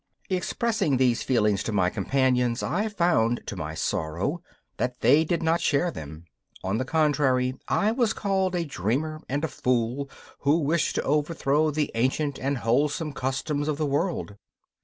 Expressing these feelings to my companions, I found, to my sorrow, that they did not share them; on the contrary, I was called a dreamer and a fool who wished to overthrow the ancient and wholesome customs of the world.